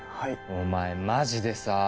お前マジでさ。